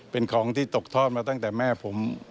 เป็นของที่ตกทอดมาตั้งแต่แม่ผม